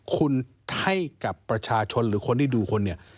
คุณให้กับประชาชนหรือคนที่ดูคนเนี่ย